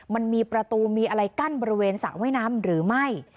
มันมีประตูมีอะไรกั้นบริเวณสระว่ายน้ำหรือไม่